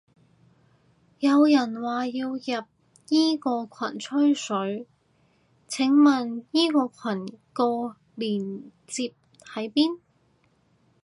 有人話要入依個羣吹水，請問依個羣個鏈接喺邊？